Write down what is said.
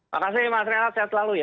makasih mas renat sehat selalu ya